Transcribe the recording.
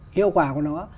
hiệu quả của nó